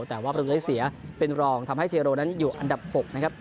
แต่ว่าประตูได้เสียเป็นรองทำให้เทโรนั้นอยู่อันดับ๖นะครับ